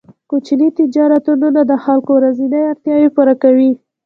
کوچني تجارتونه د خلکو ورځنۍ اړتیاوې پوره کوي.